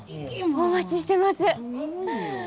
お待ちしてます。